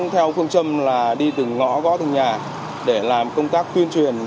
theo phương châm là đi từng ngõ gõ từng nhà để làm công tác tuyên truyền